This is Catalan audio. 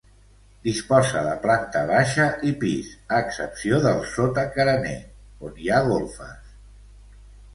Disposa de planta baixa i pis a excepció del sota carener, on hi ha golfes.